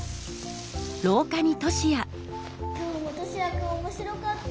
・今日もトシヤくんおもしろかった！